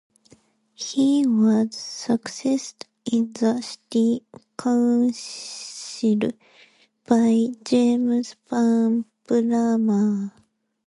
He was succeeded in the City Council by James Van Bramer.